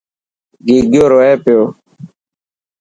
گيگو روئي پيو.